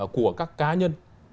của các cá nhân